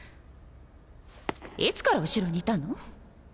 いつから後ろにいたの？